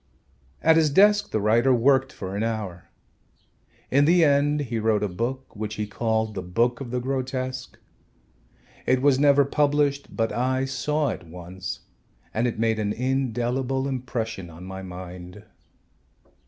At his desk the writer worked for an hour. In the end he wrote a book which he called "The Book of the Grotesque." It was never published, but I saw it once and it made an indelible impression on my mind.